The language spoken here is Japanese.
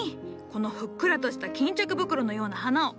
このふっくらとした巾着袋のような花を。